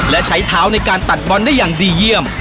และใช้เท้าในการตัดบอลได้อย่างดีเยี่ยม